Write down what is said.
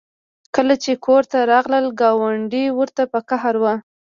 کله چې کور ته راغلل ګاونډۍ ورته په قهر وه